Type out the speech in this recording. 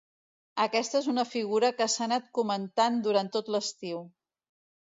Aquesta és una figura que s’ha anat comentant durant tot l’estiu.